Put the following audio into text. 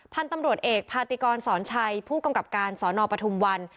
พันธุ์ตำรวจเอกพาติกรสอนชัยผู้กำกับการสนปทุมวัน